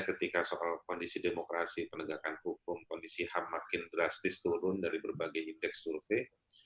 ketika soal kondisi demokrasi penegakan hukum kondisi ham makin drastis turun dari berbagai indeks survei